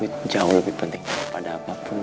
itu jauh lebih penting daripada apapun